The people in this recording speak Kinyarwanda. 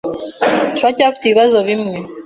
Turacyafite ibibazo bimwe.